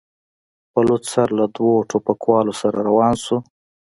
په لوڅ سر له دوو ټوپکوالو سره روان شو.